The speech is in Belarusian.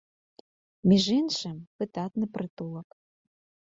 Між іншым, выдатны прытулак.